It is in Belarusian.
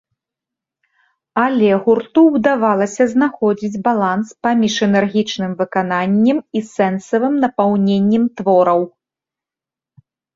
Але гурту ўдавалася знаходзіць баланс паміж энергічным выкананнем і сэнсавым напаўненнем твораў.